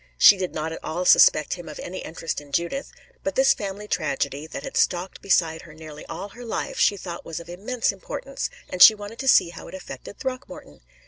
She did not at all suspect him of any interest in Judith; but this family tragedy, that had stalked beside her nearly all her life, she thought was of immense importance, and she wanted to see how it affected Throckmorton.